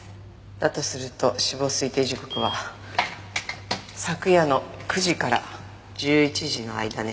だとすると死亡推定時刻は昨夜の９時から１１時の間ね。